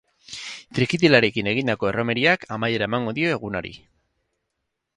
Trikitilariekin egindako erromeriak amaiera emango dio egunari.